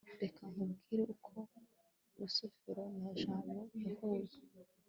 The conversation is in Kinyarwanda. reka nkubwire uko rusufero na jabo bahuye